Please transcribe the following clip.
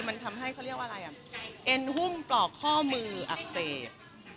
มันทำให้เขาเรียกว่าอะไรอ่ะเอ็นหุ้มปลอกข้อมืออักเสบ